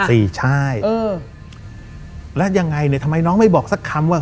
สี่ใช่เออแล้วยังไงเนี่ยทำไมน้องไม่บอกสักคำว่า